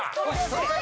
すごい！